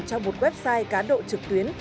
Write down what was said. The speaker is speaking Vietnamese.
trong một website cá độ trực tuyến